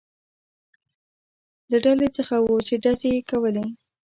له ډلې څخه و، چې ډزې یې کولې.